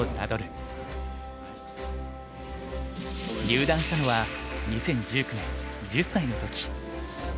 入段したのは２０１９年１０歳の時。